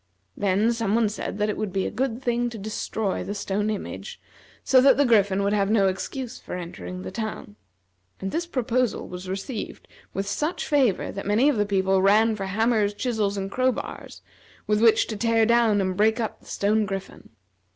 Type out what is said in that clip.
Then some one said that it would be a good thing to destroy the stone image so that the Griffin would have no excuse for entering the town; and this proposal was received with such favor that many of the people ran for hammers, chisels, and crowbars, with which to tear down and break up the stone griffin.